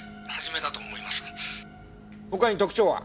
他に特徴は？